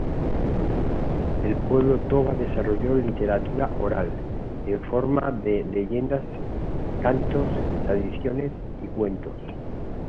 El pueblo Toba desarrollo literatura oral, en forma de leyendas, can-tos, tradiciones y cuentos.